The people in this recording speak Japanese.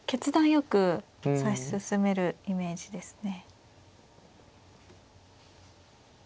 よく指し進めるイメージですね。